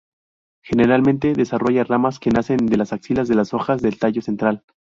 Generalmente desarrolla ramas que nacen de las axilas de las hojas del tallo central.